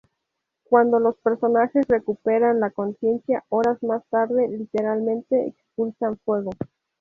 Cuando los personajes recuperan la consciencia horas más tarde, literalmente expulsan fuego.